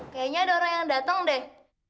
kayaknya ada orang yang datang deh